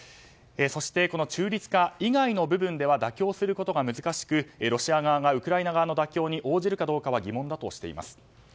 そして、中立化以外の部分では妥協することが難しくロシア側がウクライナ側の妥協に応じるかどうかは疑問だとしています。